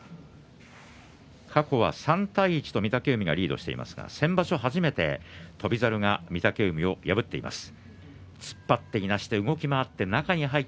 過去は３対１と御嶽海がリードしていますが先場所、初めて翔猿が御嶽海を破っています。